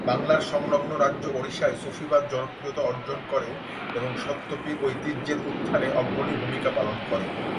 বাংলার সংলগ্ন রাজ্য ওড়িশায় সুফিবাদ জনপ্রিয়তা অর্জন করে এবং সত্য-পীর ঐতিহ্যের উত্থানে অগ্রণী ভূমিকা পালন করে।